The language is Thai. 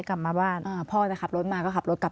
คนร้ายไม่ทันได้หนีถูกไหมคะ